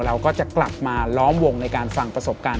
เราก็จะกลับมาล้อมวงในการฟังประสบการณ์